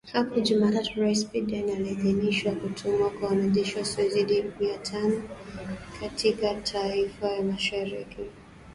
Hapo Jumatatu Rais Biden aliidhinisha kutumwa kwa wanajeshi wasiozidi mia tano katika taifa la Mashariki ili kuwa na idadi ndogo ya wanajeshi wa Marekani